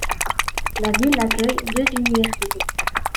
La ville accueille deux universités.